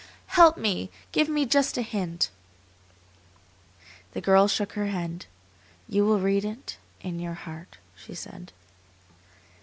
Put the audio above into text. Help me! Give me just a hint!" The girl shook her head. "You will read it in your heart," she said.